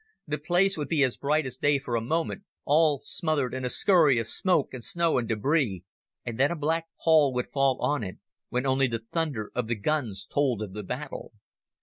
The place would be as bright as day for a moment, all smothered in a scurry of smoke and snow and debris, and then a black pall would fall on it, when only the thunder of the guns told of the battle.